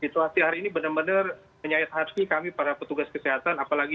tapi hanya kehidupan khusus yang saya denyaskan kita harus menyayangi